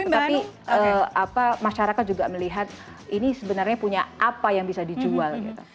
tapi masyarakat juga melihat ini sebenarnya punya apa yang bisa dijual gitu